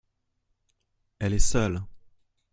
elle est seule.